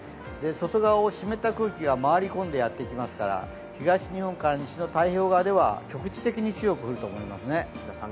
外側を湿った空気が回り込んでやってきますから東日本から西日本の太平洋側では局地的に強く降ると思います。